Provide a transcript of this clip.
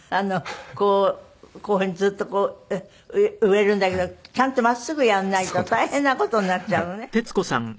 こうこういうふうにずっとこう植えるんだけどちゃんと真っすぐやらないと大変な事になっちゃうのね。